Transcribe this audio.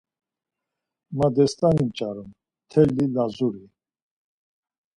Ma destani p̌ç̌arum mteli Lazuri.